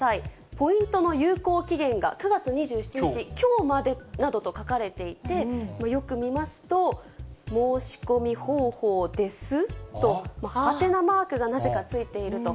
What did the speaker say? ポイントの有効期限が９月２７日、きょうまでなどと書かれていて、よく見ますと、申し込み方法です？と、はてなマークがなぜかついていると。